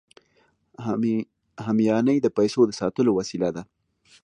همیانۍ د پیسو د ساتلو وسیله ده